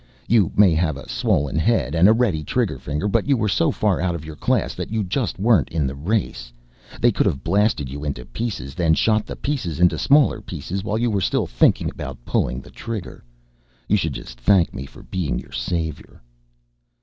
You may have a swollen head and a ready trigger finger, but you were so far out of your class that you just weren't in the race. They could have blasted you into pieces, then shot the pieces into smaller pieces, while you were still thinking about pulling the trigger. You should just thank me for being your savior."